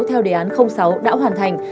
theo đề án sáu đã hoàn thành